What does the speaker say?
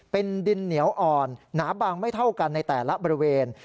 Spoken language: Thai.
เป็นดินเหนียวอ่อนหนาบางไม่เท่ากันในแต่ละบริเวณ